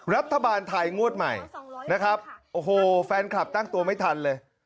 รัฐบาลไทยงวดใหม่นะครับโอ้โหแฟนคลับตั้งตัวไม่ทันเลย